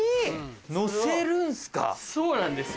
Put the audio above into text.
そうなんですよ。